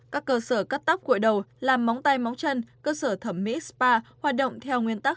các cơ sở cắt tóc cội đầu làm móng tay móng chân cơ sở thẩm mỹ spa hoạt động theo nguyên tắc